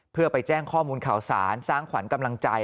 เพื่อไปแจ้งข้อมูลข่าวสารสร้างขวัญกำลังใจ